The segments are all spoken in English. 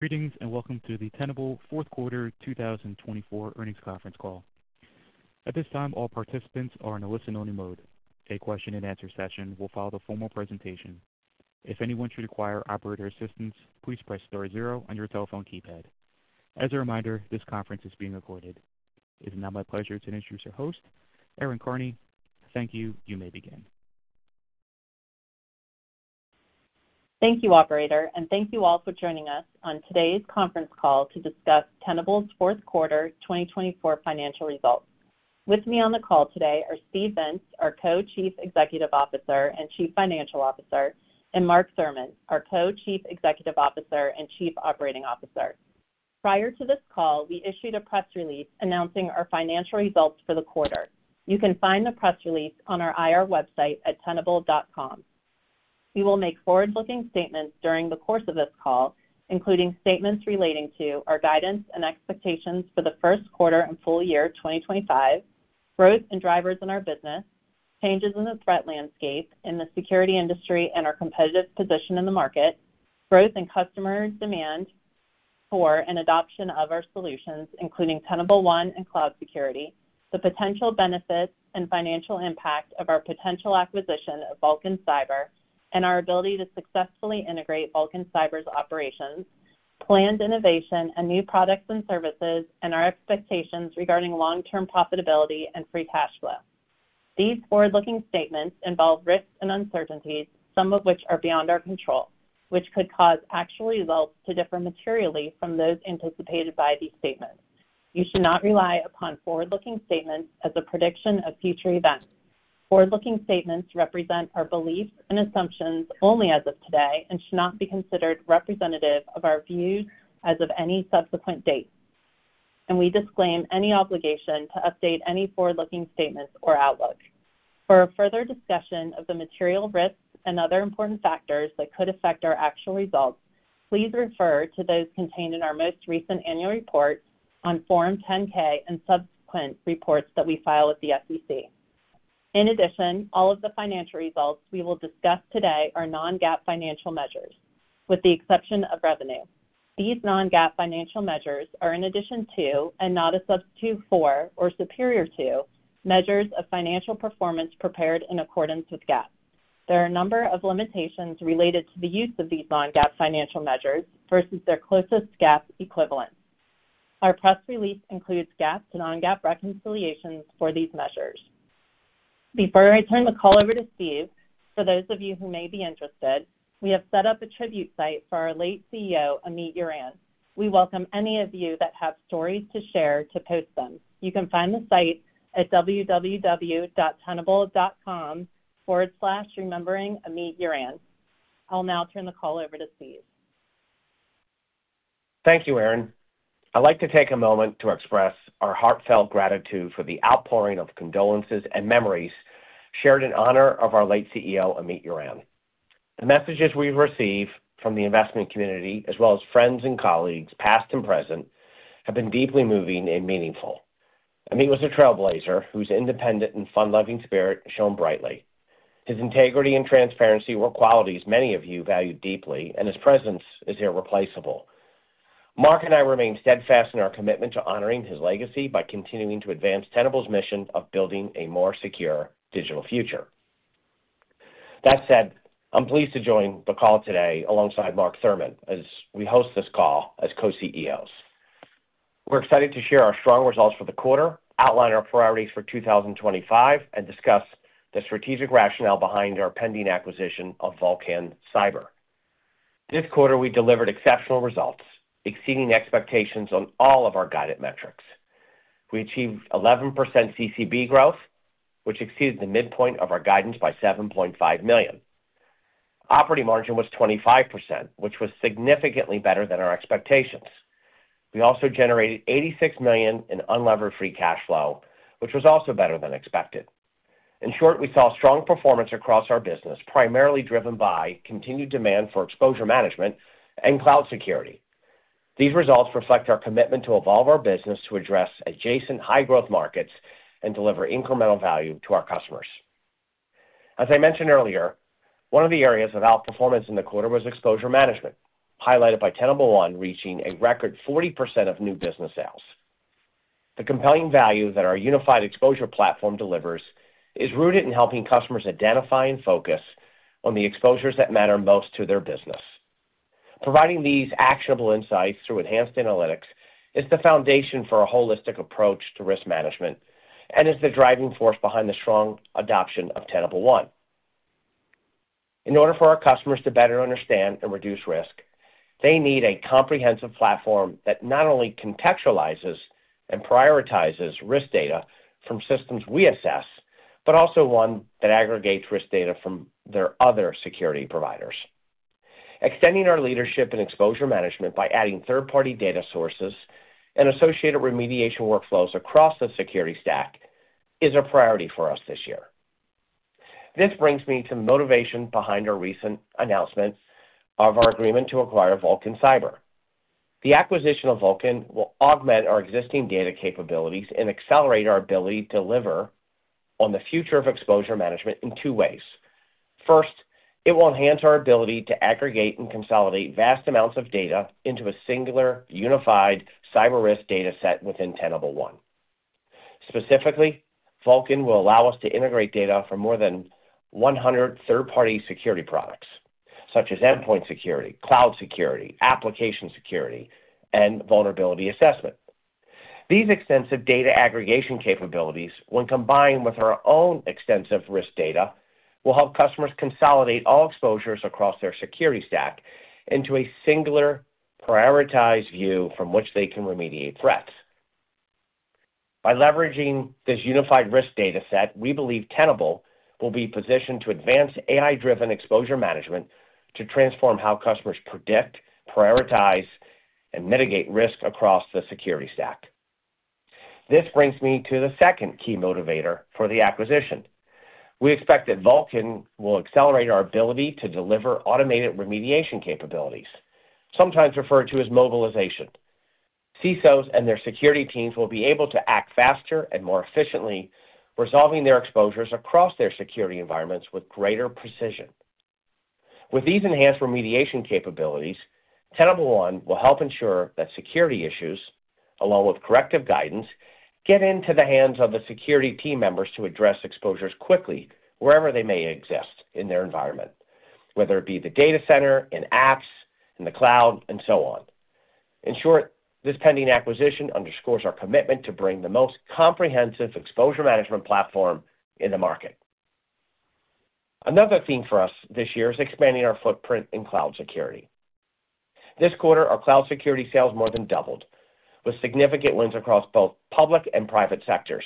Greetings and welcome to the Tenable fourth quarter 2024 earnings conference call. At this time, all participants are in a listen-only mode. A question-and-answer session will follow the formal presentation. If anyone should require operator assistance, please press star zero on your telephone keypad. As a reminder, this conference is being recorded. It is now my pleasure to introduce our host, Erin Karney. Thank you. You may begin. Thank you, Operator, and thank you all for joining us on today's conference call to discuss Tenable's Fourth Quarter 2024 financial results. With me on the call today are Steve Vintz, our Co-Chief Executive Officer and Chief Financial Officer, and Mark Thurmond, our Co-Chief Executive Officer and Chief Operating Officer. Prior to this call, we issued a press release announcing our financial results for the quarter. You can find the press release on our IR website at tenable.com. We will make forward-looking statements during the course of this call, including statements relating to our guidance and expectations for the first quarter and full year 2025, growth and drivers in our business, changes in the threat landscape in the security industry and our competitive position in the market, growth in customer demand for and adoption of our solutions, including Tenable One and Cloud Security, the potential benefits and financial impact of our potential acquisition of Vulcan Cyber, and our ability to successfully integrate Vulcan Cyber's operations, planned innovation and new products and services, and our expectations regarding long-term profitability and free cash flow. These forward-looking statements involve risks and uncertainties, some of which are beyond our control, which could cause actual results to differ materially from those anticipated by these statements. You should not rely upon forward-looking statements as a prediction of future events. Forward-looking statements represent our beliefs and assumptions only as of today and should not be considered representative of our views as of any subsequent date, and we disclaim any obligation to update any forward-looking statements or outlook. For further discussion of the material risks and other important factors that could affect our actual results, please refer to those contained in our most recent annual report on Form 10-K and subsequent reports that we file with the SEC. In addition, all of the financial results we will discuss today are non-GAAP financial measures, with the exception of revenue. These non-GAAP financial measures are in addition to and not a substitute for or superior to measures of financial performance prepared in accordance with GAAP. There are a number of limitations related to the use of these non-GAAP financial measures versus their closest GAAP equivalents. Our press release includes GAAP to non-GAAP reconciliations for these measures. Before I turn the call over to Steve, for those of you who may be interested, we have set up a tribute site for our late CEO, Amit Yoran. We welcome any of you that have stories to share to post them. You can find the site at www.tenable.com/rememberingamityoran. I'll now turn the call over to Steve. Thank you, Erin. I'd like to take a moment to express our heartfelt gratitude for the outpouring of condolences and memories shared in honor of our late CEO, Amit Yoran. The messages we've received from the investment community, as well as friends and colleagues, past and present, have been deeply moving and meaningful. Amit was a trailblazer whose independent and fun-loving spirit shone brightly. His integrity and transparency were qualities many of you valued deeply, and his presence is irreplaceable. Mark and I remain steadfast in our commitment to honoring his legacy by continuing to advance Tenable's mission of building a more secure digital future. That said, I'm pleased to join the call today alongside Mark Thurmond as we host this call as co-CEOs. We're excited to share our strong results for the quarter, outline our priorities for 2025, and discuss the strategic rationale behind our pending acquisition of Vulcan Cyber. This quarter, we delivered exceptional results, exceeding expectations on all of our guided metrics. We achieved 11% CCB growth, which exceeded the midpoint of our guidance by $7.5 million. Operating margin was 25%, which was significantly better than our expectations. We also generated $86 million in unlevered free cash flow, which was also better than expected. In short, we saw strong performance across our business, primarily driven by continued demand for exposure management and cloud security. These results reflect our commitment to evolve our business to address adjacent high-growth markets and deliver incremental value to our customers. As I mentioned earlier, one of the areas of outperformance in the quarter was exposure management, highlighted by Tenable One reaching a record 40% of new business sales. The compelling value that our unified exposure platform delivers is rooted in helping customers identify and focus on the exposures that matter most to their business. Providing these actionable insights through enhanced analytics is the foundation for a holistic approach to risk management and is the driving force behind the strong adoption of Tenable One. In order for our customers to better understand and reduce risk, they need a comprehensive platform that not only contextualizes and prioritizes risk data from systems we assess, but also one that aggregates risk data from their other security providers. Extending our leadership in exposure management by adding third-party data sources and associated remediation workflows across the security stack is a priority for us this year. This brings me to the motivation behind our recent announcement of our agreement to acquire Vulcan Cyber. The acquisition of Vulcan will augment our existing data capabilities and accelerate our ability to deliver on the future of exposure management in two ways. First, it will enhance our ability to aggregate and consolidate vast amounts of data into a singular, unified cyber risk data set within Tenable One. Specifically, Vulcan will allow us to integrate data from more than 100 third-party security products, such as endpoint security, cloud security, application security, and vulnerability assessment. These extensive data aggregation capabilities, when combined with our own extensive risk data, will help customers consolidate all exposures across their security stack into a singular, prioritized view from which they can remediate threats. By leveraging this unified risk data set, we believe Tenable will be positioned to advance AI-driven exposure management to transform how customers predict, prioritize, and mitigate risk across the security stack. This brings me to the second key motivator for the acquisition. We expect that Vulcan will accelerate our ability to deliver automated remediation capabilities, sometimes referred to as mobilization. CISOs and their security teams will be able to act faster and more efficiently, resolving their exposures across their security environments with greater precision. With these enhanced remediation capabilities, Tenable One will help ensure that security issues, along with corrective guidance, get into the hands of the security team members to address exposures quickly, wherever they may exist in their environment, whether it be the data center, in apps, in the cloud, and so on. In short, this pending acquisition underscores our commitment to bring the most comprehensive exposure management platform in the market. Another theme for us this year is expanding our footprint in cloud security. This quarter, our cloud security sales more than doubled, with significant wins across both public and private sectors.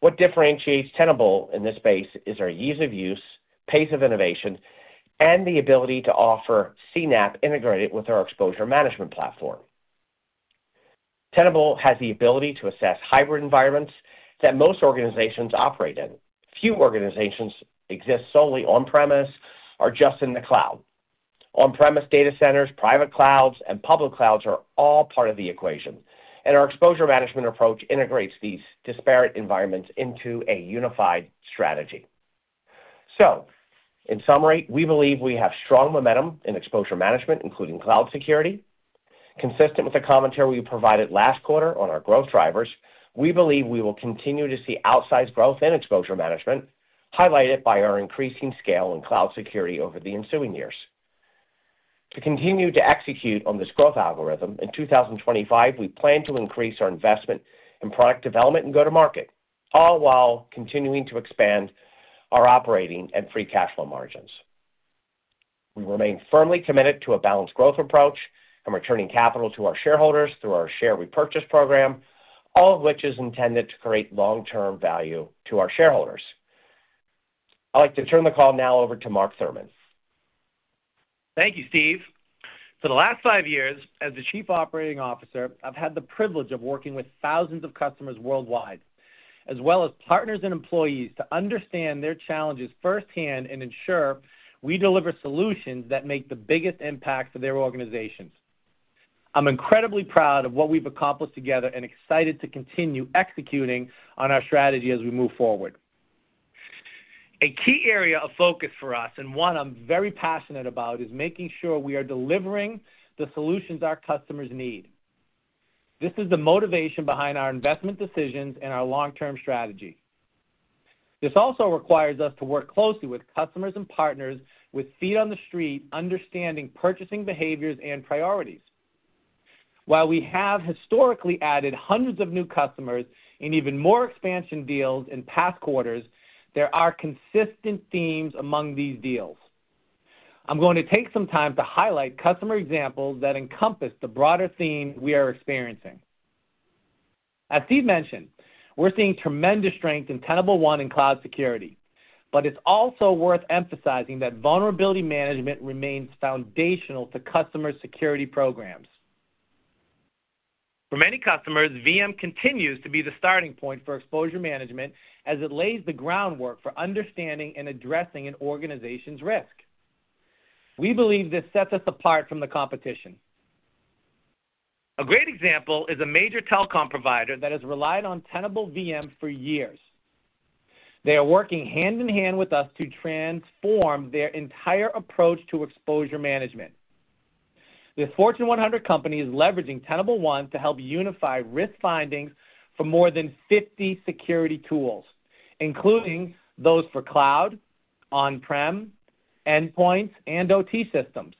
What differentiates Tenable in this space is our ease of use, pace of innovation, and the ability to offer CNAPP integrated with our exposure management platform. Tenable has the ability to assess hybrid environments that most organizations operate in. Few organizations exist solely on-premises or just in the cloud. On-premises data centers, private clouds, and public clouds are all part of the equation, and our exposure management approach integrates these disparate environments into a unified strategy. So, in summary, we believe we have strong momentum in exposure management, including cloud security. Consistent with the commentary we provided last quarter on our growth drivers, we believe we will continue to see outsized growth in exposure management, highlighted by our increasing scale in cloud security over the ensuing years. To continue to execute on this growth algorithm, in 2025, we plan to increase our investment in product development and go-to-market, all while continuing to expand our operating and free cash flow margins. We remain firmly committed to a balanced growth approach and returning capital to our shareholders through our share repurchase program, all of which is intended to create long-term value to our shareholders. I'd like to turn the call now over to Mark Thurmond. Thank you, Steve. For the last five years, as the Chief Operating Officer, I've had the privilege of working with thousands of customers worldwide, as well as partners and employees, to understand their challenges firsthand and ensure we deliver solutions that make the biggest impact for their organizations. I'm incredibly proud of what we've accomplished together and excited to continue executing on our strategy as we move forward. A key area of focus for us, and one I'm very passionate about, is making sure we are delivering the solutions our customers need. This is the motivation behind our investment decisions and our long-term strategy. This also requires us to work closely with customers and partners with feet on the street, understanding purchasing behaviors and priorities. While we have historically added hundreds of new customers and even more expansion deals in past quarters, there are consistent themes among these deals. I'm going to take some time to highlight customer examples that encompass the broader theme we are experiencing. As Steve mentioned, we're seeing tremendous strength in Tenable One and cloud security, but it's also worth emphasizing that vulnerability management remains foundational to customer security programs. For many customers, VM continues to be the starting point for exposure management as it lays the groundwork for understanding and addressing an organization's risk. We believe this sets us apart from the competition. A great example is a major telecom provider that has relied on Tenable VM for years. They are working hand in hand with us to transform their entire approach to exposure management. This Fortune 100 company is leveraging Tenable One to help unify risk findings for more than 50 security tools, including those for cloud, on-prem, endpoints, and OT systems.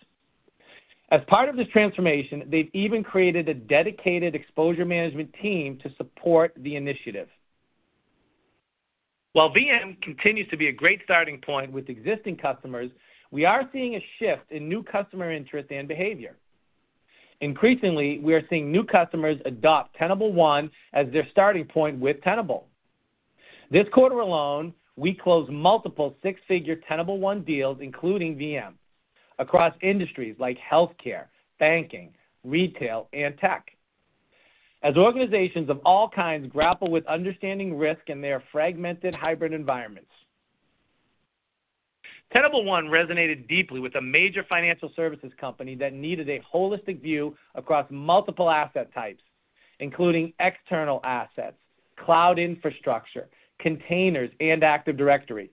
As part of this transformation, they've even created a dedicated exposure management team to support the initiative. While VM continues to be a great starting point with existing customers, we are seeing a shift in new customer interest and behavior. Increasingly, we are seeing new customers adopt Tenable One as their starting point with Tenable. This quarter alone, we closed multiple six-figure Tenable One deals, including VM, across industries like healthcare, banking, retail, and tech, as organizations of all kinds grapple with understanding risk in their fragmented hybrid environments. Tenable One resonated deeply with a major financial services company that needed a holistic view across multiple asset types, including external assets, cloud infrastructure, containers, and Active Directory.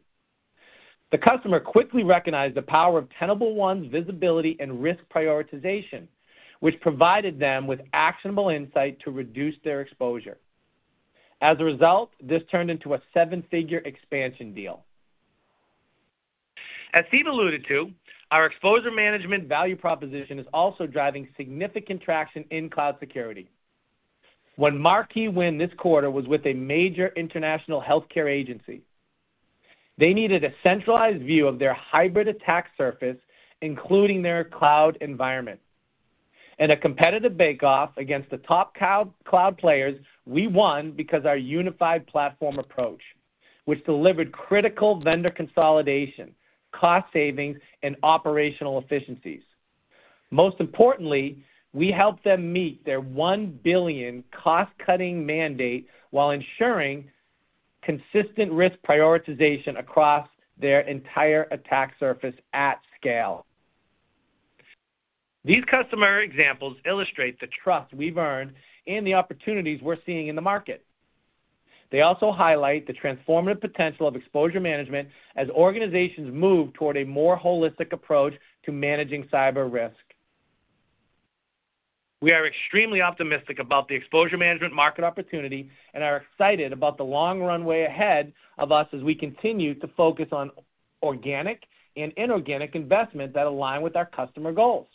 The customer quickly recognized the power of Tenable One's visibility and risk prioritization, which provided them with actionable insight to reduce their exposure. As a result, this turned into a seven-figure expansion deal. As Steve alluded to, our exposure management value proposition is also driving significant traction in cloud security. One marquee win this quarter was with a major international healthcare agency, they needed a centralized view of their hybrid attack surface, including their cloud environment. In a competitive bake-off against the top cloud players, we won because of our unified platform approach, which delivered critical vendor consolidation, cost savings, and operational efficiencies. Most importantly, we helped them meet their $1 billion cost-cutting mandate while ensuring consistent risk prioritization across their entire attack surface at scale. These customer examples illustrate the trust we've earned and the opportunities we're seeing in the market. They also highlight the transformative potential of exposure management as organizations move toward a more holistic approach to managing cyber risk. We are extremely optimistic about the exposure management market opportunity and are excited about the long runway ahead of us as we continue to focus on organic and inorganic investments that align with our customer goals.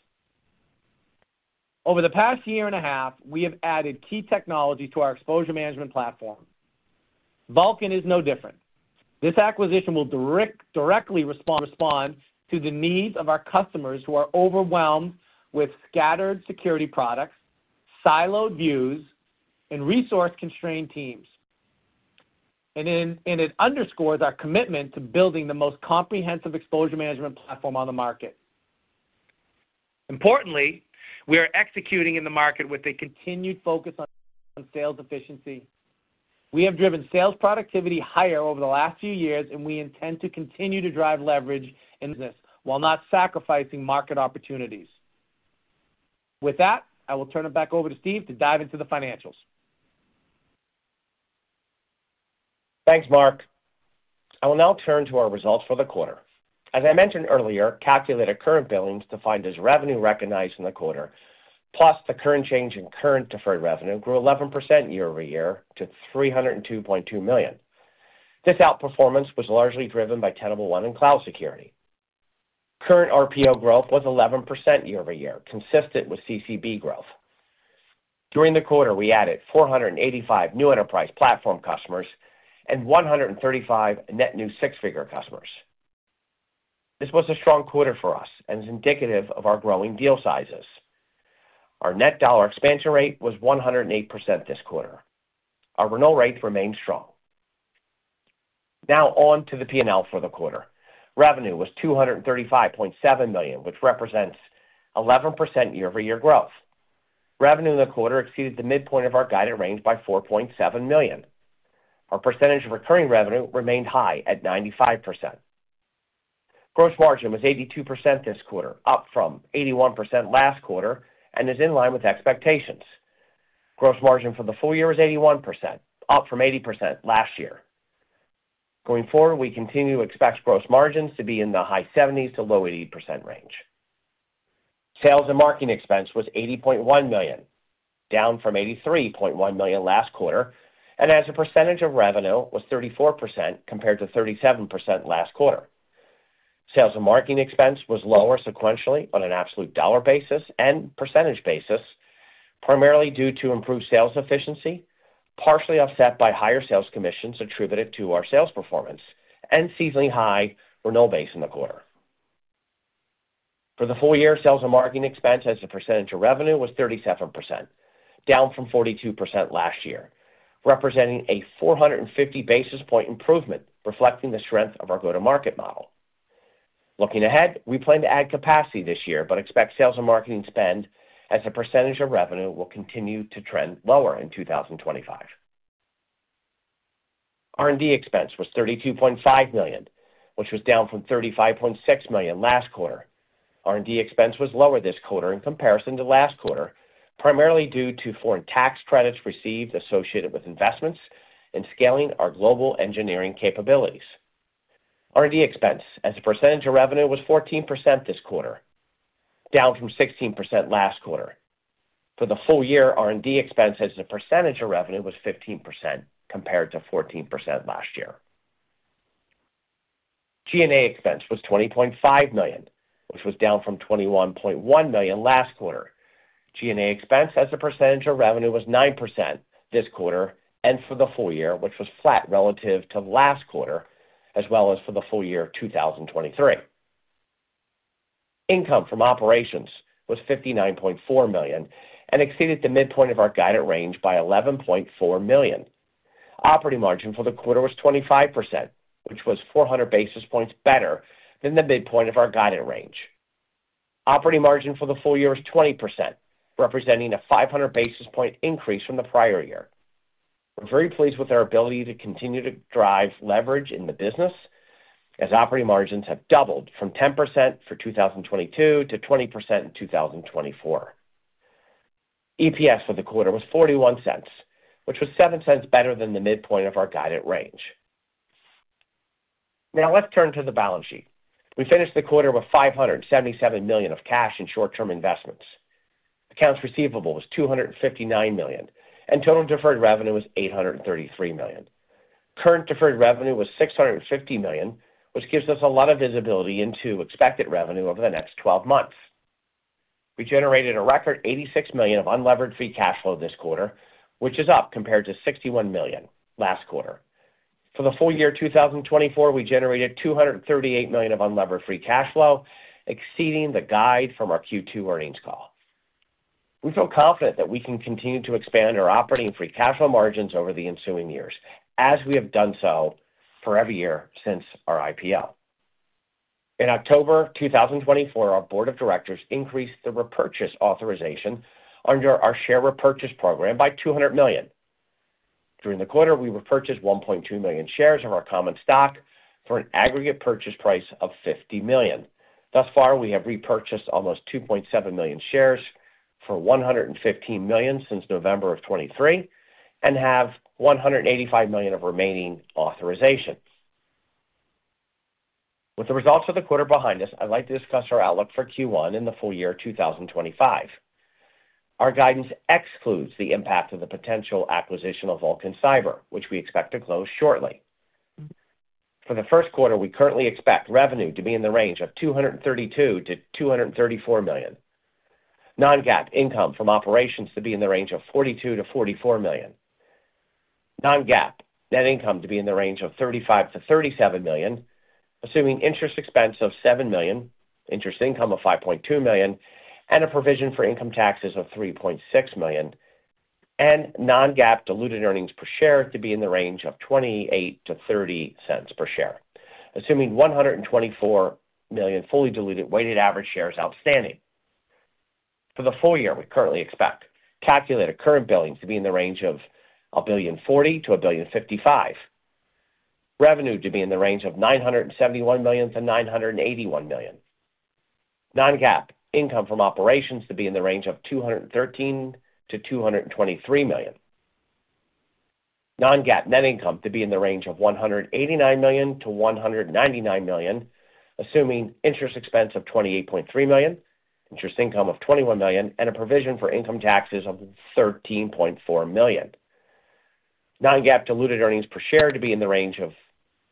Over the past year and a half, we have added key technology to our exposure management platform. Vulcan is no different. This acquisition will directly respond to the needs of our customers who are overwhelmed with scattered security products, siloed views, and resource-constrained teams, and it underscores our commitment to building the most comprehensive exposure management platform on the market. Importantly, we are executing in the market with a continued focus on sales efficiency. We have driven sales productivity higher over the last few years, and we intend to continue to drive leverage in this while not sacrificing market opportunities. With that, I will turn it back over to Steve to dive into the financials. Thanks, Mark. I will now turn to our results for the quarter. As I mentioned earlier, calculated current billings, defined as revenue recognized in the quarter, plus the change in current deferred revenue, grew 11% year over year to $302.2 million. This outperformance was largely driven by Tenable One and Cloud Security. Current RPO growth was 11% year over year, consistent with CCB growth. During the quarter, we added 485 new enterprise platform customers and 135 net new six-figure customers. This was a strong quarter for us and is indicative of our growing deal sizes. Our net dollar expansion rate was 108% this quarter. Our renewal rates remained strong. Now on to the P&L for the quarter. Revenue was $235.7 million, which represents 11% year over year growth. Revenue in the quarter exceeded the midpoint of our guided range by $4.7 million. Our percentage of recurring revenue remained high at 95%. Gross margin was 82% this quarter, up from 81% last quarter and is in line with expectations. Gross margin for the full year is 81%, up from 80% last year. Going forward, we continue to expect gross margins to be in the high 70s to low 80% range. Sales and marketing expense was $80.1 million, down from $83.1 million last quarter, and as a percentage of revenue was 34% compared to 37% last quarter. Sales and marketing expense was lower sequentially on an absolute dollar basis and percentage basis, primarily due to improved sales efficiency, partially offset by higher sales commissions attributed to our sales performance, and seasonally high renewal base in the quarter. For the full year, sales and marketing expense as a percentage of revenue was 37%, down from 42% last year, representing a 450 basis points improvement, reflecting the strength of our go-to-market model. Looking ahead, we plan to add capacity this year, but expect sales and marketing spend as a percentage of revenue will continue to trend lower in 2025. R&D expense was $32.5 million, which was down from $35.6 million last quarter. R&D expense was lower this quarter in comparison to last quarter, primarily due to foreign tax credits received associated with investments and scaling our global engineering capabilities. R&D expense as a percentage of revenue was 14% this quarter, down from 16% last quarter. For the full year, R&D expense as a percentage of revenue was 15% compared to 14% last year. G&A expense was $20.5 million, which was down from $21.1 million last quarter. G&A expense as a percentage of revenue was 9% this quarter and for the full year, which was flat relative to last quarter, as well as for the full year 2023. Income from operations was $59.4 million and exceeded the midpoint of our guided range by $11.4 million. Operating margin for the quarter was 25%, which was 400 basis points better than the midpoint of our guided range. Operating margin for the full year was 20%, representing a 500 basis point increase from the prior year. We're very pleased with our ability to continue to drive leverage in the business as operating margins have doubled from 10% for 2022 to 20% in 2024. EPS for the quarter was $0.41, which was $0.07 better than the midpoint of our guided range. Now let's turn to the balance sheet. We finished the quarter with $577 million of cash and short-term investments. Accounts receivable was $259 million, and total deferred revenue was $833 million. Current deferred revenue was $650 million, which gives us a lot of visibility into expected revenue over the next 12 months. We generated a record $86 million of unlevered free cash flow this quarter, which is up compared to $61 million last quarter. For the full year 2024, we generated $238 million of unlevered free cash flow, exceeding the guide from our Q2 earnings call. We feel confident that we can continue to expand our operating free cash flow margins over the ensuing years, as we have done so for every year since our IPO. In October 2024, our board of directors increased the repurchase authorization under our share repurchase program by $200 million. During the quarter, we repurchased 1.2 million shares of our common stock for an aggregate purchase price of $50 million. Thus far, we have repurchased almost 2.7 million shares for $115 million since November of 2023 and have $185 million of remaining authorization. With the results of the quarter behind us, I'd like to discuss our outlook for Q1 in the full year 2025. Our guidance excludes the impact of the potential acquisition of Vulcan Cyber, which we expect to close shortly. For the first quarter, we currently expect revenue to be in the range of $232-$234 million. Non-GAAP income from operations to be in the range of $42-$44 million. Non-GAAP net income to be in the range of $35-$37 million, assuming interest expense of $7 million, interest income of $5.2 million, and a provision for income taxes of $3.6 million, and non-GAAP diluted earnings per share to be in the range of $0.28-$0.30 per share, assuming $124 million fully diluted weighted average shares outstanding. For the full year, we currently expect Calculated Current Billings to be in the range of $1.4-$1.55 billion, revenue to be in the range of $971-$981 million. Non-GAAP income from operations to be in the range of $213-$223 million. Non-GAAP net income to be in the range of $189-$199 million, assuming interest expense of $28.3 million, interest income of $21 million, and a provision for income taxes of $13.4 million. Non-GAAP diluted earnings per share to be in the range of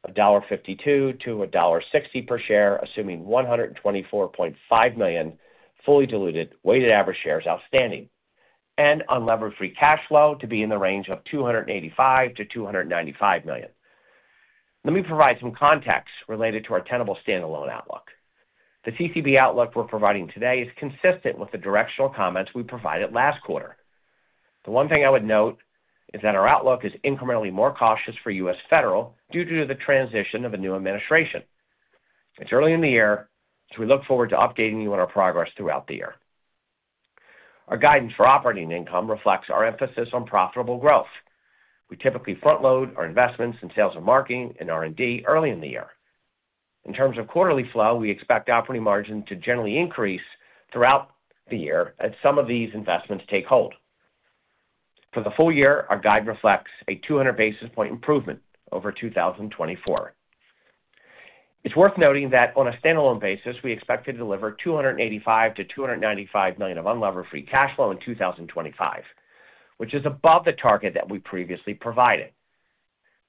$1.52-$1.60 per share, assuming $124.5 million fully diluted weighted average shares outstanding, and unlevered free cash flow to be in the range of $285-$295 million. Let me provide some context related to our Tenable standalone outlook. The CCB outlook we're providing today is consistent with the directional comments we provided last quarter. The one thing I would note is that our outlook is incrementally more cautious for U.S. Federal due to the transition of a new administration. It's early in the year, so we look forward to updating you on our progress throughout the year. Our guidance for operating income reflects our emphasis on profitable growth. We typically front-load our investments in sales and marketing and R&D early in the year. In terms of quarterly flow, we expect operating margins to generally increase throughout the year as some of these investments take hold. For the full year, our guide reflects a 200 basis points improvement over 2024. It's worth noting that on a standalone basis, we expect to deliver $285-$295 million of unlevered free cash flow in 2025, which is above the target that we previously provided.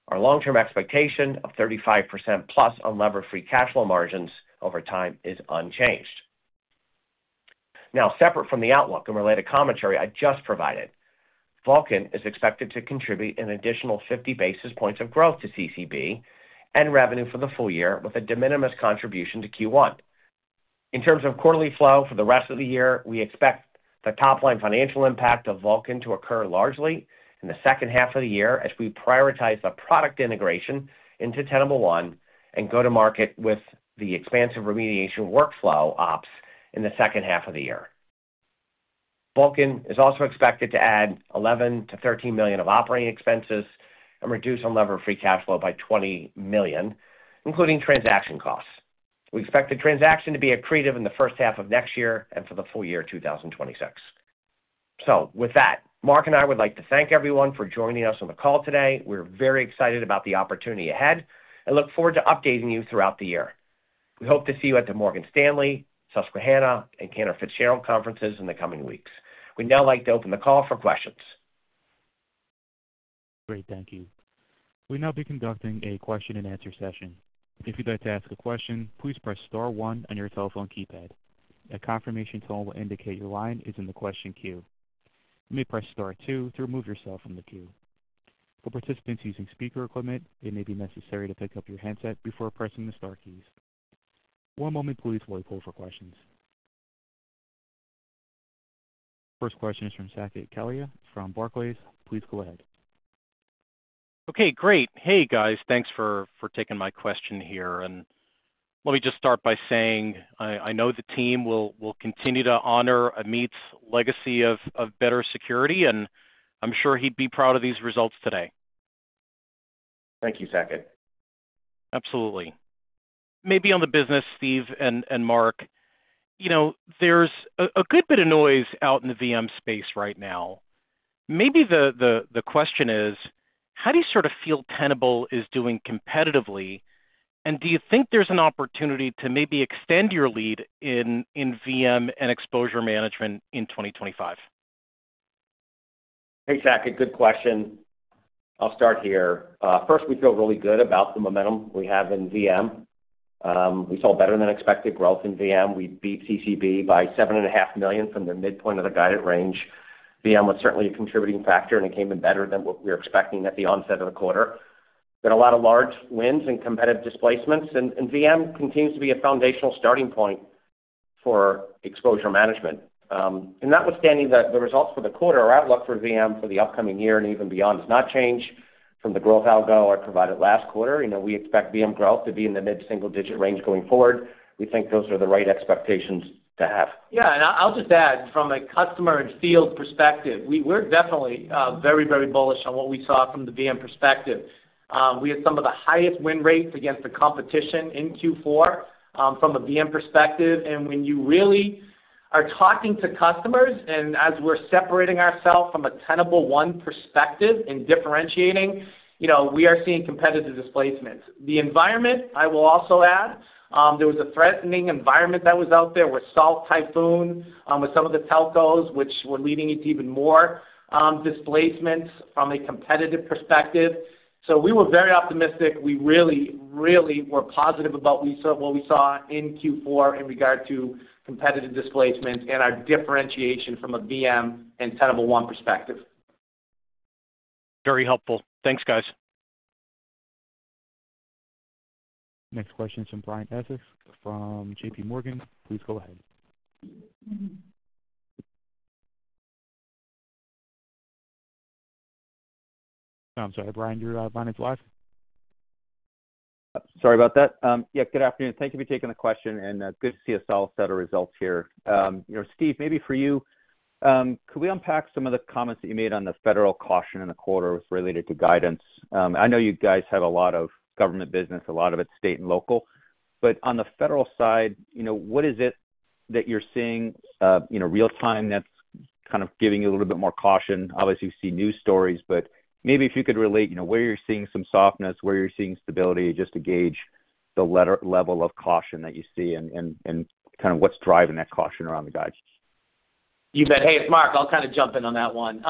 Our long-term expectation of 35% plus unlevered free cash flow margins over time is unchanged. Now, separate from the outlook and related commentary I just provided, Vulcan is expected to contribute an additional 50 basis points of growth to CCB and revenue for the full year with a de minimis contribution to Q1. In terms of quarterly flow for the rest of the year, we expect the top-line financial impact of Vulcan to occur largely in the second half of the year as we prioritize the product integration into Tenable One and go-to-market with the expansive remediation workflow ops in the second half of the year. Vulcan is also expected to add $11-$13 million of operating expenses and reduce unlevered free cash flow by $20 million, including transaction costs. We expect the transaction to be accretive in the first half of next year and for the full year 2026. So, with that, Mark and I would like to thank everyone for joining us on the call today. We're very excited about the opportunity ahead and look forward to updating you throughout the year. We hope to see you at the Morgan Stanley, Susquehanna, and Cantor Fitzgerald conferences in the coming weeks. We'd now like to open the call for questions. Great, thank you. We will now be conducting a question-and-answer session. If you'd like to ask a question, please press Star 1 on your telephone keypad. A confirmation tone will indicate your line is in the question queue. You may press Star 2 to remove yourself from the queue. For participants using speaker equipment, it may be necessary to pick up your handset before pressing the Star keys. One moment, please, while we pull for questions. First question is from Saket Kalia from Barclays. Please go ahead. Okay, great. Hey, guys, thanks for taking my question here. And let me just start by saying I know the team will continue to honor Amit's legacy of better security, and I'm sure he'd be proud of these results today. Thank you, Saket. Absolutely. Maybe on the business, Steve and Mark, you know there's a good bit of noise out in the VM space right now. Maybe the question is, how do you sort of feel Tenable is doing competitively, and do you think there's an opportunity to maybe extend your lead in VM and exposure management in 2025? Hey, Saket, good question. I'll start here. First, we feel really good about the momentum we have in VM. We saw better-than-expected growth in VM. We beat CCB by $7.5 million from the midpoint of the guided range. VM was certainly a contributing factor, and it came in better than what we were expecting at the onset of the quarter. There are a lot of large wins and competitive displacements, and VM continues to be a foundational starting point for exposure management, and notwithstanding the results for the quarter, our outlook for VM for the upcoming year and even beyond has not changed from the growth algo I provided last quarter. We expect VM growth to be in the mid-single-digit range going forward. We think those are the right expectations to have. Yeah, and I'll just add, from a customer and field perspective, we're definitely very, very bullish on what we saw from the VM perspective. We had some of the highest win rates against the competition in Q4 from a VM perspective. And when you really are talking to customers, and as we're separating ourselves from a Tenable One perspective in differentiating, you know we are seeing competitive displacements. The environment, I will also add, there was a threatening environment that was out there with Salt Typhoon, with some of the telcos, which were leading to even more displacements from a competitive perspective. So we were very optimistic. We really, really were positive about what we saw in Q4 in regard to competitive displacements and our differentiation from a VM and Tenable One perspective. Very helpful. Thanks, guys. Next question is from Brian Essex from JPMorgan. Please go ahead. I'm sorry, Brian, your line is live? Sorry about that. Yeah, good afternoon. Thank you for taking the question, and good to see a solid set of results here. Steve, maybe for you, could we unpack some of the comments that you made on the federal caution in the quarter related to guidance? I know you guys have a lot of government business, a lot of it state and local, but on the federal side, you know what is it that you're seeing real-time that's kind of giving you a little bit more caution? Obviously, you see news stories, but maybe if you could relate where you're seeing some softness, where you're seeing stability, just to gauge the level of caution that you see and kind of what's driving that caution around the guidance. You bet. Hey, it's Mark. I'll kind of jump in on that one.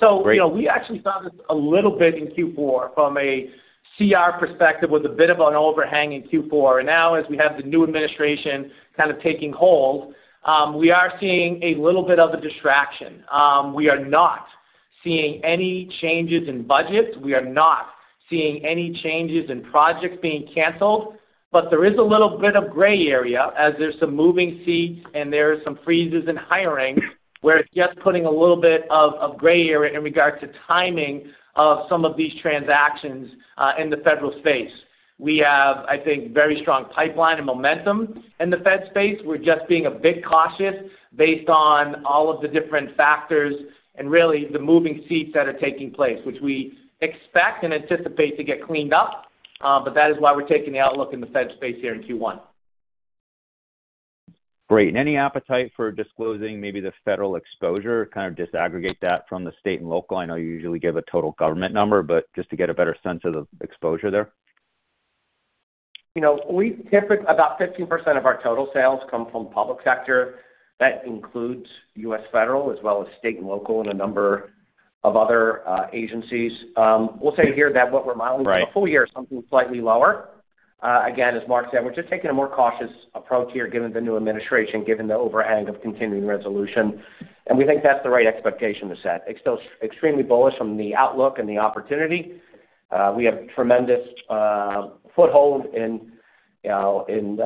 So you know we actually saw this a little bit in Q4 from a CR perspective with a bit of an overhang in Q4. And now, as we have the new administration kind of taking hold, we are seeing a little bit of a distraction. We are not seeing any changes in budgets. We are not seeing any changes in projects being canceled, but there is a little bit of gray area as there's some moving seats and there are some freezes in hiring where it's just putting a little bit of gray area in regard to timing of some of these transactions in the federal space. We have, I think, very strong pipeline and momentum in the Fed space. We're just being a bit cautious based on all of the different factors and really the moving seats that are taking place, which we expect and anticipate to get cleaned up, but that is why we're taking the outlook in the Fed space here in Q1. Great. And any appetite for disclosing maybe the federal exposure, kind of disaggregate that from the state and local? I know you usually give a total government number, but just to get a better sense of the exposure there. You know, we typically about 15% of our total sales come from public sector. That includes U.S. Federal, as well as state and local and a number of other agencies. We'll say here that what we're modeling for the full year is something slightly lower. Again, as Mark said, we're just taking a more cautious approach here given the new administration, given the overhang of Continuing Resolution, and we think that's the right expectation to set. It's still extremely bullish from the outlook and the opportunity. We have a tremendous foothold in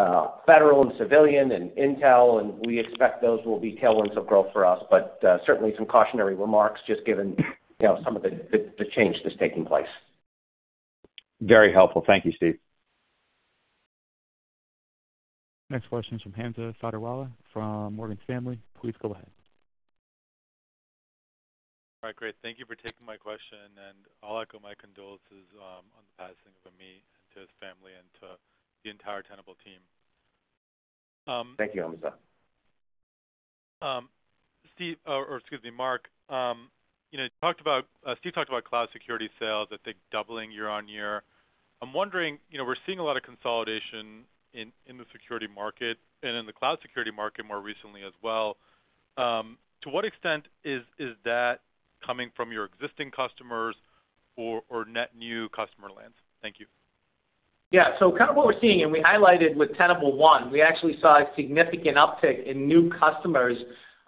federal and civilian and intel, and we expect those will be tailwinds of growth for us, but certainly some cautionary remarks just given some of the change that's taking place. Very helpful. Thank you, Steve. Next question is from Hamza Fodderwala from Morgan Stanley. Please go ahead. All right, great. Thank you for taking my question, and I'll echo my condolences on the passing of Amit and to his family and to the entire Tenable team. Thank you, Hamza. Steve, or excuse me, Mark. You know, Steve talked about cloud security sales, I think, doubling year on year. I'm wondering, you know, we're seeing a lot of consolidation in the security market and in the cloud security market more recently as well. To what extent is that coming from your existing customers or net new customer lands? Thank you. Yeah, so kind of what we're seeing, and we highlighted with Tenable One. We actually saw a significant uptick in new customers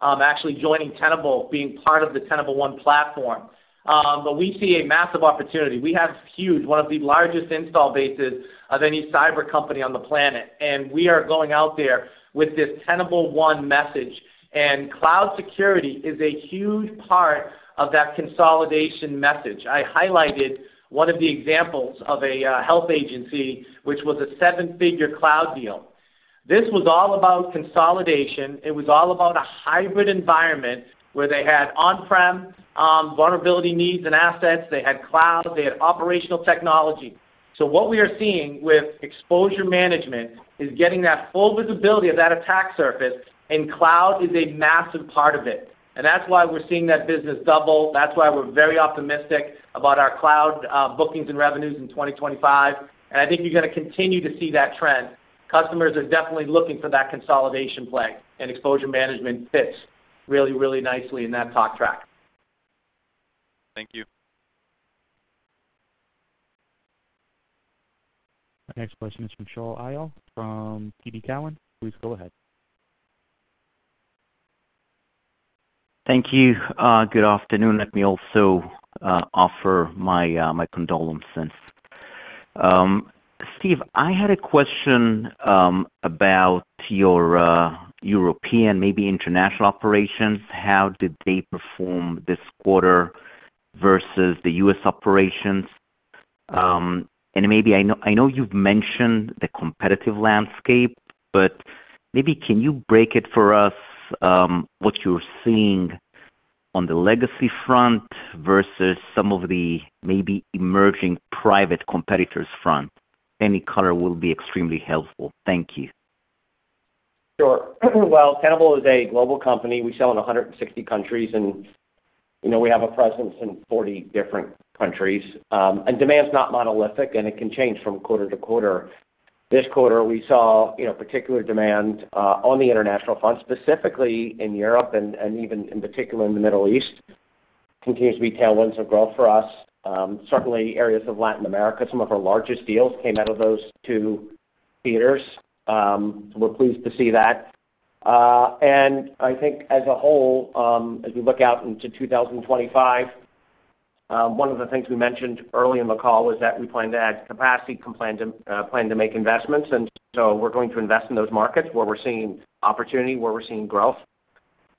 actually joining Tenable, being part of the Tenable One platform. But we see a massive opportunity. We have huge, one of the largest install bases of any cyber company on the planet, and we are going out there with this Tenable One message, and cloud security is a huge part of that consolidation message. I highlighted one of the examples of a health agency, which was a seven-figure cloud deal. This was all about consolidation. It was all about a hybrid environment where they had on-prem vulnerability needs and assets. They had cloud. They had operational technology. So what we are seeing with exposure management is getting that full visibility of that attack surface, and cloud is a massive part of it. That's why we're seeing that business double. That's why we're very optimistic about our cloud bookings and revenues in 2025. I think you're going to continue to see that trend. Customers are definitely looking for that consolidation play and exposure management fits really, really nicely in that talk track. Thank you. Next question is from Shaul Eyal from TD Cowen. Please go ahead. Thank you. Good afternoon. Let me also offer my condolences. Steve, I had a question about your European, maybe international operations. How did they perform this quarter versus the U.S. operations? And maybe I know you've mentioned the competitive landscape, but maybe can you break it for us? What you're seeing on the legacy front versus some of the maybe emerging private competitors' front? Any color will be extremely helpful. Thank you. Sure. Well, Tenable is a global company. We sell in 160 countries, and you know we have a presence in 40 different countries. And demand's not monolithic, and it can change from quarter to quarter. This quarter, we saw you know particular demand on the international front, specifically in Europe and even in particular in the Middle East, continues to be tailwinds of growth for us. Certainly, areas of Latin America, some of our largest deals came out of those two theaters. We're pleased to see that. And I think as a whole, as you look out into 2025, one of the things we mentioned early in the call was that we plan to add capacity, plan to make investments, and so we're going to invest in those markets where we're seeing opportunity, where we're seeing growth.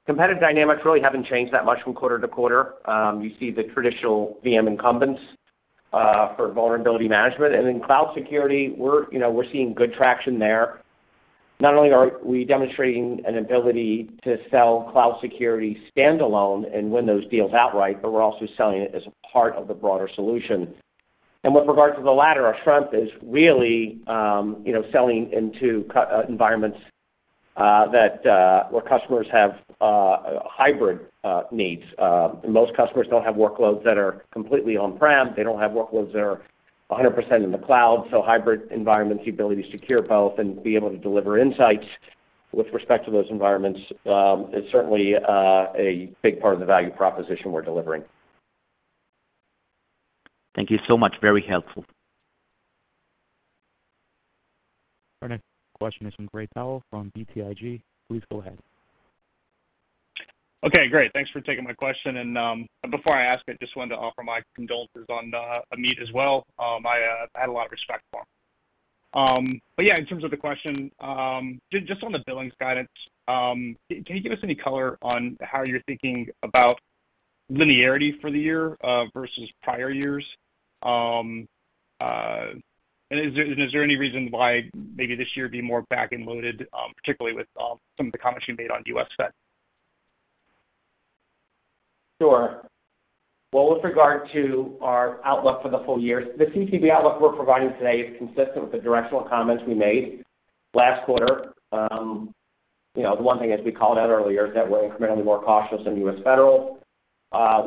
Competitive dynamics really haven't changed that much from quarter to quarter. You see the traditional VM incumbents for vulnerability management. And in cloud security, we're seeing good traction there. Not only are we demonstrating an ability to sell cloud security standalone and win those deals outright, but we're also selling it as part of the broader solution. And with regard to the latter, our front is really selling into environments where customers have hybrid needs. Most customers don't have workloads that are completely on-prem. They don't have workloads that are 100% in the cloud. So hybrid environments, the ability to secure both and be able to deliver insights with respect to those environments is certainly a big part of the value proposition we're delivering. Thank you so much. Very helpful. Next question is from Gray Powell from BTIG. Please go ahead. Okay, great. Thanks for taking my question. And before I ask it, I just wanted to offer my condolences on Amit as well. I had a lot of respect for him. But yeah, in terms of the question, just on the billings guidance, can you give us any color on how you're thinking about linearity for the year versus prior years? And is there any reason why maybe this year would be more back and loaded, particularly with some of the comments you made on U.S. Fed? Sure. Well, with regard to our outlook for the full year, the CCB outlook we're providing today is consistent with the directional comments we made last quarter. You know, the one thing is we called out earlier that we're incrementally more cautious than U.S. Fed.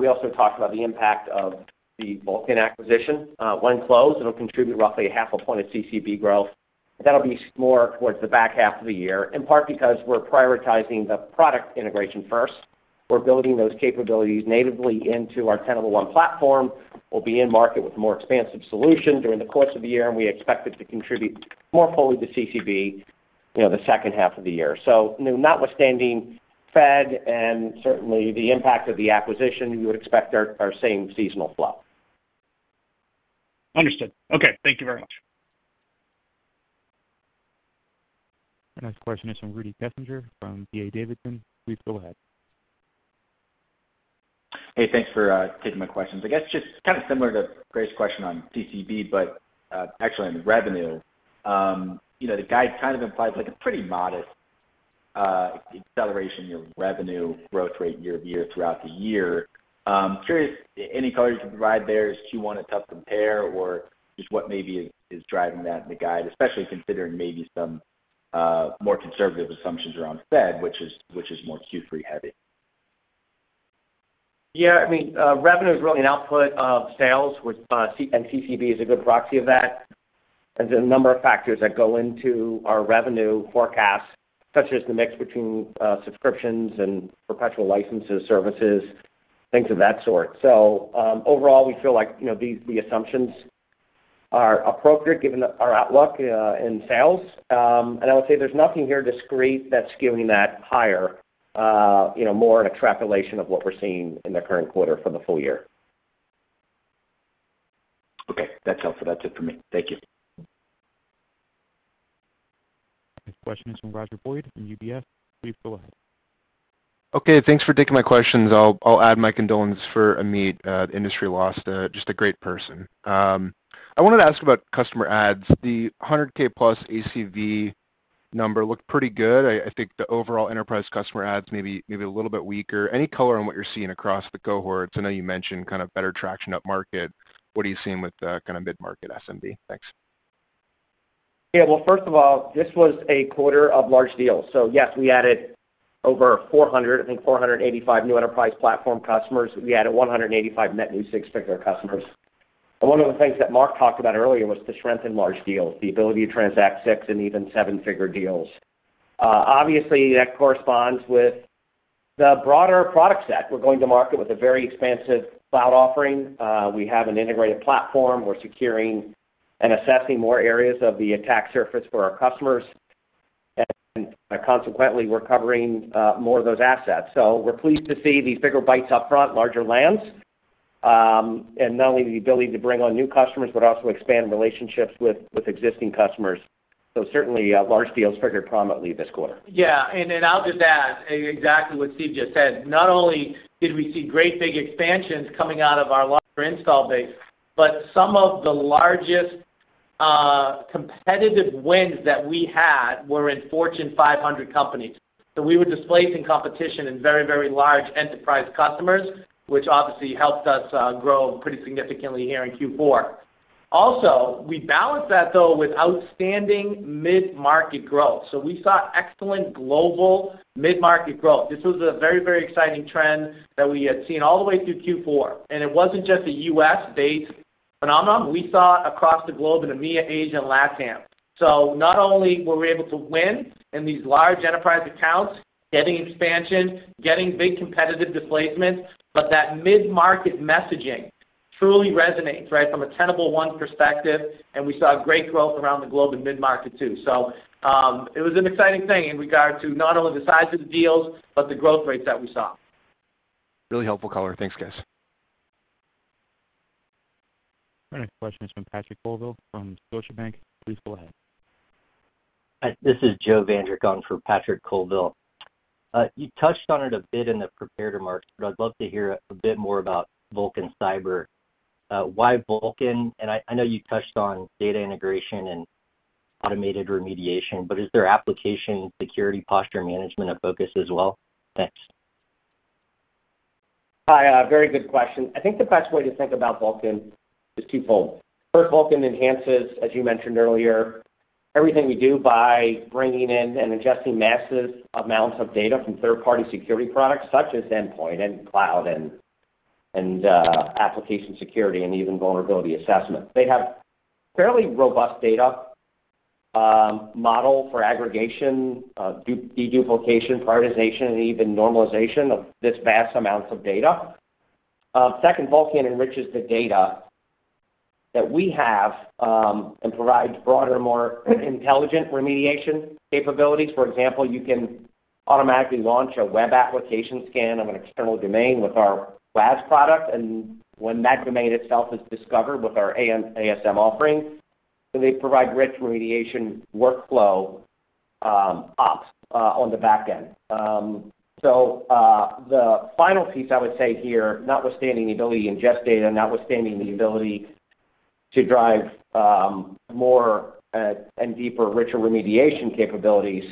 We also talked about the impact of the Vulcan acquisition. When closed, it'll contribute roughly 0.5 point of CCB growth. That'll be more towards the back half of the year, in part because we're prioritizing the product integration first. We're building those capabilities natively into our Tenable One platform. We'll be in market with more expansive solutions during the course of the year, and we expect it to contribute more fully to CCB the second half of the year. So notwithstanding Fed and certainly the impact of the acquisition, you would expect our same seasonal flow. Understood. Okay, thank you very much. Next question is from Rudy Kessinger from D.A. Davidson. Please go ahead. Hey, thanks for taking my question. I guess just kind of similar to Gray's question on CCB, but actually on the revenue, you know the guide kind of implies like a pretty modest acceleration in revenue growth rate year to year throughout the year. Curious, any color you can provide there? Do you want it tough to compare or just what maybe is driving that in the guide, especially considering maybe some more conservative assumptions around Fed, which is more Q3 heavy? Yeah, I mean revenue is really an output of sales, and CCB is a good proxy of that. There's a number of factors that go into our revenue forecast, such as the mix between subscriptions and perpetual licenses, services, things of that sort. So overall, we feel like you know the assumptions are appropriate given our outlook in sales. And I would say there's nothing here discrete that's giving that higher, you know more extrapolation of what we're seeing in the current quarter for the full year. Okay, that's it for me. Thank you. Next question is from Roger Boyd in UBS. Please go ahead. Okay, thanks for taking my questions. I'll add my condolences for Amit. Industry lost, just a great person. I wanted to ask about customer adds. The 100K plus ACV number looked pretty good. I think the overall enterprise customer adds may be a little bit weaker. Any color on what you're seeing across the cohorts? I know you mentioned kind of better traction up market. What are you seeing with kind of mid-market SMB? Thanks. Yeah, well, first of all, this was a quarter of large deals. So yes, we added over 400, I think 485 new enterprise platform customers. We added 185 net new six-figure customers. One of the things that Mark talked about earlier was the strength in large deals, the ability to transact six- and even seven-figure deals. Obviously, that corresponds with the broader product set. We're going to market with a very expansive cloud offering. We have an integrated platform. We're securing and assessing more areas of the attack surface for our customers. And consequently, we're covering more of those assets. So we're pleased to see the bigger bites upfront, larger lands, and not only the ability to bring on new customers, but also expand relationships with existing customers. So certainly, large deals featured prominently this quarter. Yeah, and I'll just add exactly what Steve just said. Not only did we see great big expansions coming out of our larger install base, but some of the largest competitive wins that we had were in Fortune 500 companies, so we were displacing competition in very, very large enterprise customers, which obviously helped us grow pretty significantly here in Q4. Also, we balanced that, though, with outstanding mid-market growth, so we saw excellent global mid-market growth. This was a very, very exciting trend that we had seen all the way through Q4, and it wasn't just a U.S.-based phenomenon. We saw it across the globe in EMEA, Asia, and LATAM, so not only were we able to win in these large enterprise accounts, getting expansion, getting big competitive displacement, but that mid-market messaging truly resonates right from a Tenable One perspective, and we saw great growth around the globe in mid-market too.It was an exciting thing in regard to not only the size of the deals, but the growth rates that we saw. Really helpful color. Thanks, guys. All right, question is from Patrick Colville from Scotiabank. Please go ahead. Hi, this is Joe Vandrick for Patrick Colville. You touched on it a bit in the prepared remarks, but I'd love to hear a bit more about Vulcan Cyber. Why Vulcan? And I know you touched on data integration and automated remediation, but is there application security posture management as a focus as well? Next. Hi, very good question. I think the best way to think about Vulcan is two-fold. First, Vulcan enhances, as you mentioned earlier, everything we do by bringing in and ingesting massive amounts of data from third-party security products such as Endpoint and Cloud and application security and even vulnerability assessment. They have a fairly robust data model for aggregation, deduplication, prioritization, and even normalization of this vast amount of data. Second, Vulcan enriches the data that we have and provides broader, more intelligent remediation capabilities. For example, you can automatically launch a web application scan of an external domain with our WAS product, and when that domain itself is discovered with our ASM offering, they provide rich remediation workflow ops on the back end. So the final piece I would say here, notwithstanding the ability to ingest data, notwithstanding the ability to drive more and deeper, richer remediation capabilities,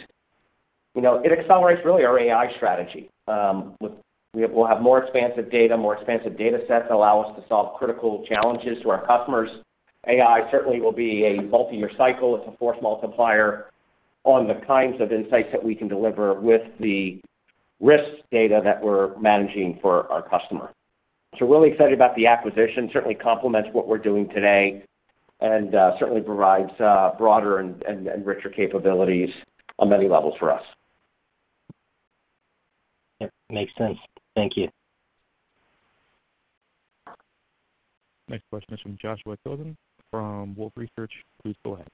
you know, it accelerates really our AI strategy. We'll have more expansive data, more expansive data sets that allow us to solve critical challenges to our customers. AI certainly will be a multi-year cycle. It's a force multiplier on the kinds of insights that we can deliver with the risk data that we're managing for our customer. So really excited about the acquisition. Certainly complements what we're doing today and certainly provides broader and richer capabilities on many levels for us. That makes sense. Thank you. Next question is from Joshua Tilton from Wolfe Research. Please go ahead.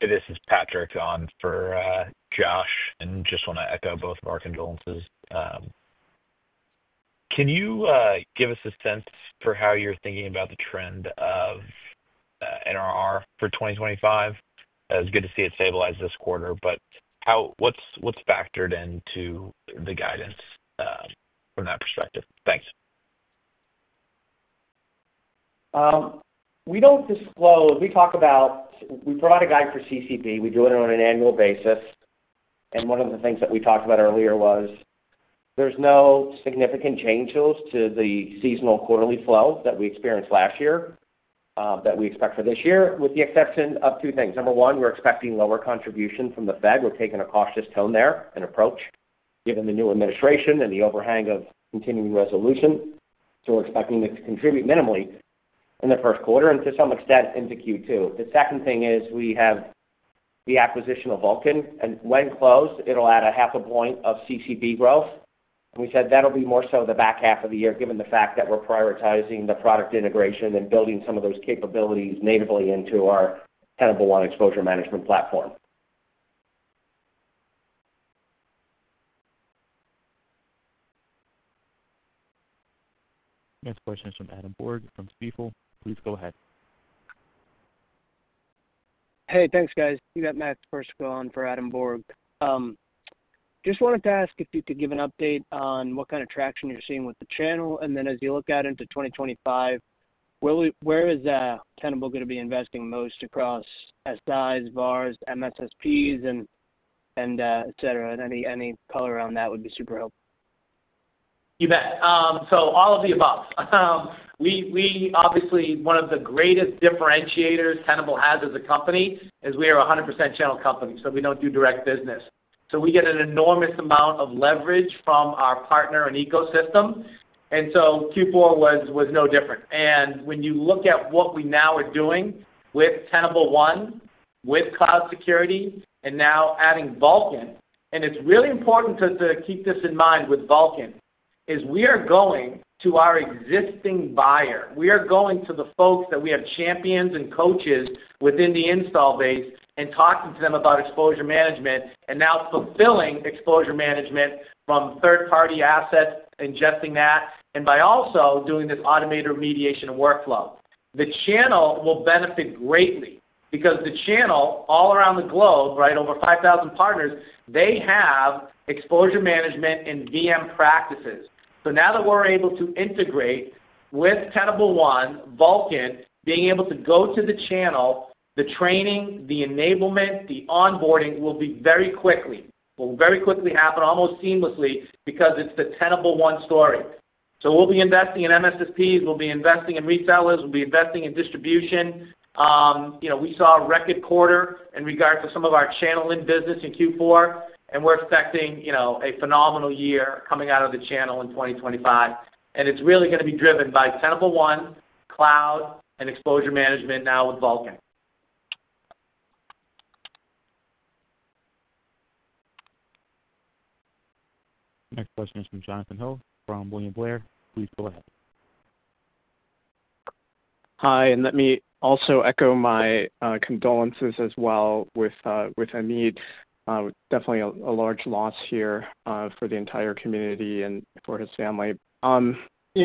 This is Patrick on for Josh, and just want to echo both of our condolences. Can you give us a sense for how you're thinking about the trend of NRR for 2025? It's good to see it stabilize this quarter, but what's factored into the guidance from that perspective? Thanks. We don't disclose. We provide a guide for CCB. We do it on an annual basis, and one of the things that we talked about earlier was there's no significant change to the seasonal quarterly flow that we experienced last year that we expect for this year, with the exception of two things. Number one, we're expecting lower contribution from the Fed. We're taking a cautious tone there and approach given the new administration and the overhang of continuing resolution, so we're expecting it to contribute minimally in the first quarter and to some extent into Q2. The second thing is we have the acquisition of Vulcan, and when closed, it'll add 0.5 point of CCB growth. We said that'll be more so the back half of the year given the fact that we're prioritizing the product integration and building some of those capabilities natively into our Tenable One exposure management platform. Next question is from Adam Borg from Stifel. Please go ahead. Hey, thanks, guys. You got Matt Frisco on for Adam Borg. Just wanted to ask if you could give an update on what kind of traction you're seeing with the channel. And then as you look out into 2025, where is Tenable going to be investing most across GSIs, VARs, MSSPs, and et cetera? Any color on that would be super helpful. You bet. So all of the above. Obviously, one of the greatest differentiators Tenable has as a company is we are a 100% channel company. So we don't do direct business. So we get an enormous amount of leverage from our partner and ecosystem. And so Q4 was no different. And when you look at what we now are doing with Tenable One, with cloud security, and now adding Vulcan, and it's really important to keep this in mind with Vulcan is we are going to our existing buyer. We are going to the folks that we have champions and coaches within the installed base and talking to them about exposure management and now fulfilling exposure management from third-party assets, ingesting that, and by also doing this automated remediation workflow. The channel will benefit greatly because the channel all around the globe, right over 5,000 partners, they have exposure management and VM practices. So now that we're able to integrate with Tenable One, Vulcan being able to go to the channel, the training, the enablement, the onboarding will be very quickly. It will very quickly happen, almost seamlessly, because it's the Tenable One story. So we'll be investing in MSSPs. We'll be investing in resellers. We'll be investing in distribution. You know we saw a record quarter in regard to some of our channel in business in Q4, and we're expecting a phenomenal year coming out of the channel in 2025. And it's really going to be driven by Tenable One, cloud, and exposure management now with Vulcan. Next question is from Jonathan Ho from William Blair. Please go ahead. Hi, and let me also echo my condolences as well with Amit. Definitely a large loss here for the entire community and for his family.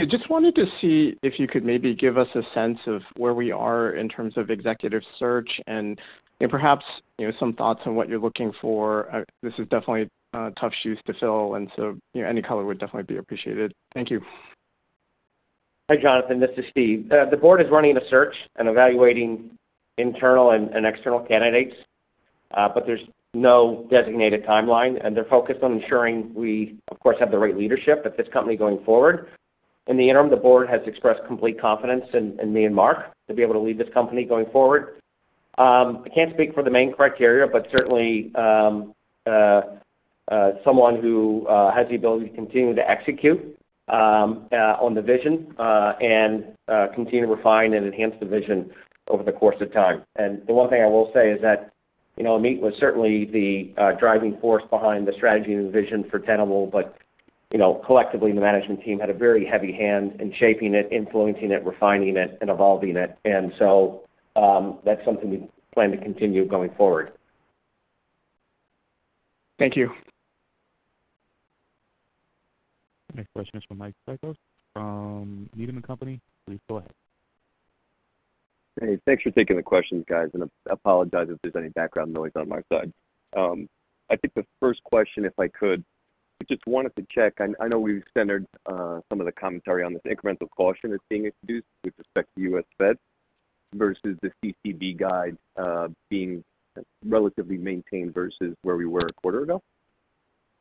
Just wanted to see if you could maybe give us a sense of where we are in terms of executive search and perhaps some thoughts on what you're looking for? This is definitely tough shoes to fill, and so any color would definitely be appreciated. Thank you. Hi, Jonathan. This is Steve. The board is running a search and evaluating internal and external candidates, but there's no designated timeline, and they're focused on ensuring we, of course, have the right leadership at this company going forward. In the interim, the board has expressed complete confidence in me and Mark to be able to lead this company going forward. I can't speak for the main criteria, but certainly someone who has the ability to continue to execute on the vision and continue to refine and enhance the vision over the course of time. And the one thing I will say is that Amit was certainly the driving force behind the strategy and the vision for Tenable, but collectively the management team had a very heavy hand in shaping it, influencing it, refining it, and evolving it. And so that's something we plan to continue going forward. Thank you. Next question is from Mike Cikos from Needham & Company. Please go ahead. Hey, thanks for taking the questions, guys. And I apologize if there's any background noise on my side. I think the first question, if I could, I just wanted to check. I know we've centered some of the commentary on this incremental caution that's being introduced with respect to U.S. Fed versus the CCB guide being relatively maintained versus where we were a quarter ago,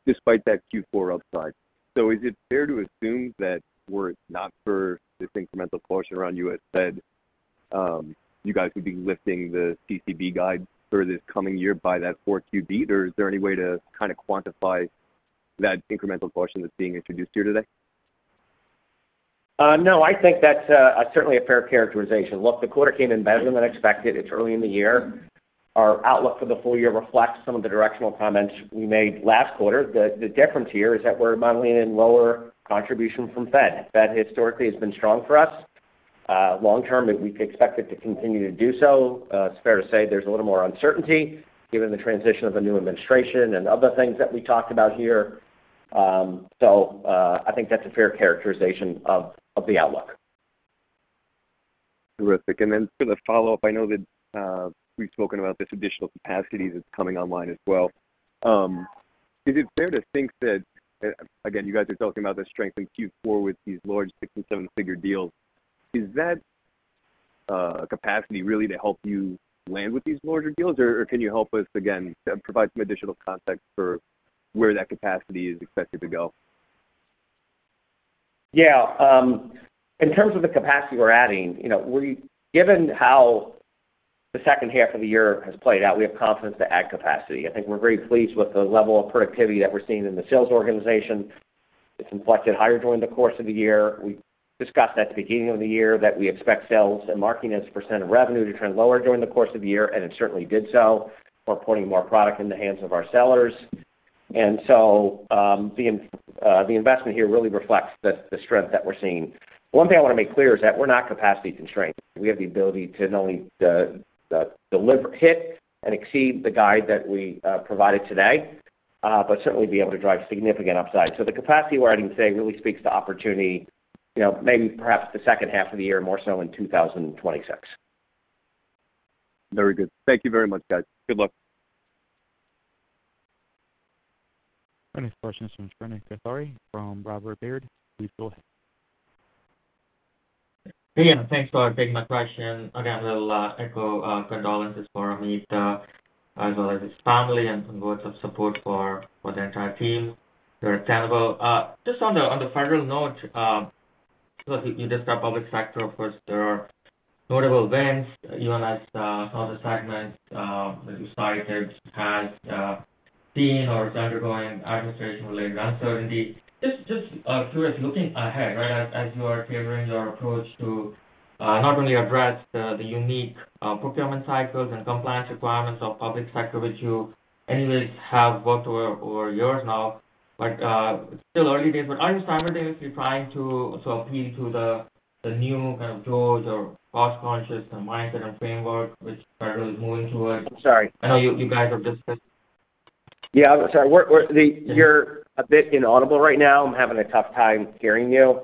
despite that Q4 upside. So is it fair to assume that were it not for this incremental Q4 beat caution around U.S. Fed, you guys would be lifting the CCB guide for this coming year by that? Or is there any way to kind of quantify that incremental caution that's being introduced here today? No, I think that's certainly a fair characterization. Look, the quarter came in better than expected. It's early in the year. Our outlook for the full year reflects some of the directional comments we made last quarter. The difference here is that we're modeling in lower contribution from Fed. Fed historically has been strong for us. Long term, we've expected to continue to do so. It's fair to say there's a little more uncertainty given the transition of a new administration and other things that we talked about here. So I think that's a fair characterization of the outlook. Terrific, and then for the follow-up, I know that we've spoken about the traditional capacities that's coming online as well. Is it fair to think that, again, you guys are talking about the strength in Q4 with these large six and seven-figure deals? Is that capacity really to help you land with these larger deals, or can you help us, again, provide some additional context for where that capacity is expected to go? Yeah. In terms of the capacity we're adding, given how the second half of the year has played out, we have confidence to add capacity. I think we're very pleased with the level of productivity that we're seeing in the sales organization. It's inflected higher during the course of the year. We discussed at the beginning of the year that we expect sales and marketing as a % of revenue to trend lower during the course of the year, and it certainly did so. We're putting more product in the hands of our sellers. And so the investment here really reflects the strength that we're seeing. One thing I want to make clear is that we're not capacity constrained. We have the ability to not only deliver, hit, and exceed the guide that we provided today, but certainly be able to drive significant upside. So the capacity we're adding today really speaks to opportunity, maybe perhaps the second half of the year, more so in 2026. Very good. Thank you very much, guys. Good luck. Next question is from from Baird. Please go ahead. Hey, and thanks for taking my question. Again, I'll echo condolences for Amit as well as his family and words of support for the entire team here at Tenable. Just on the federal note, you described public sector. Of course, there are notable events. You and I saw the segments despite things as seen or it's undergoing administration-related uncertainty. Just looking ahead, right, as you are favoring your approach to not only address the unique procurement cycles and compliance requirements of public sector, which you anyways have worked over years now, but still early days. But are you simultaneously trying to appeal to the new kind of tools or cost-conscious mindset and framework, which are really moving towards? Sorry, I know you guys have just. Yeah, I'm sorry. You're a bit inaudible right now. I'm having a tough time hearing you.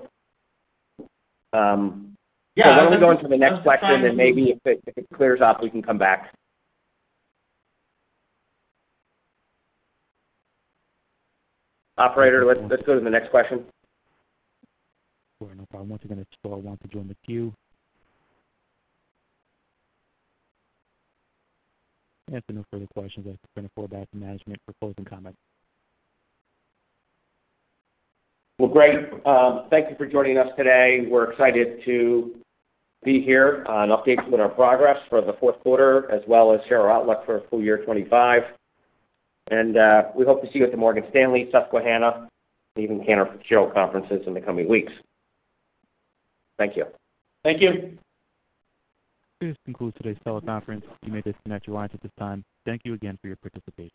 Yeah, let me go into the next question, and maybe if it clears up, we can come back. Operator, let's go to the next question. Sure, no problem, qant to join the queue. And for no further questions, I'll turn it forward back to management for closing comments. Great. Thank you for joining us today. We're excited to be here and update you on our progress for the fourth quarter, as well as share our outlook for full year 2025. And we hope to see you at the Morgan Stanley, Susquehanna, and even Canaccord Genuity conferences in the coming weeks. Thank you. Thank you. This concludes today's teleconference. You may disconnect your lines at this time. Thank you again for your participation.